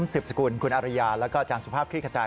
สิบสกุลคุณอริยาแล้วก็จันทร์สภาพคลิกระจาย